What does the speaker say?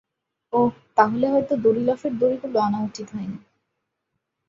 ওহ, তাহলে হয়তো দড়িলাফের দড়িগুলো আনা উচিত হয়নি।